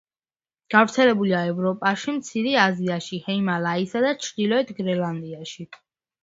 გავრცელებულია ევროპაში, მცირე აზიაში, ჰიმალაისა და ჩრდილოეთ გრენლანდიაში.